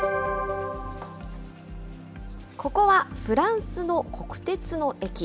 ここはフランスの国鉄の駅。